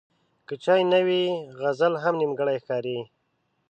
که چای نه وي، غزل هم نیمګړی ښکاري.